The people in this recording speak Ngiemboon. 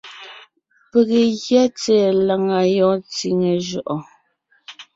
Pege gyɛ́ tsɛ̀ɛ làŋa yɔɔn tsíŋe jʉʼɔɔn.